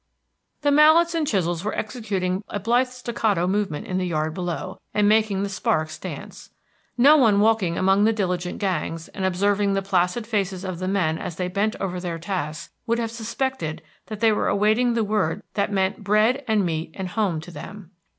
The mallets and chisels were executing a blithe staccato movement in the yard below, and making the sparks dance. No one walking among the diligent gangs, and observing the placid faces of the men as they bent over their tasks, would have suspected that they were awaiting the word that meant bread and meat and home to them.